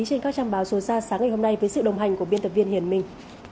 trên các trang báo số ra sáng ngày hôm nay với sự đồng hành của biên tập viên hiển minh